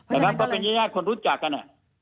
แต่ก็เป็นอียะคนรู้จักกัน